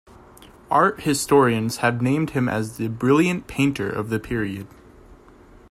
Art historians have named him as a brilliant painter of the period.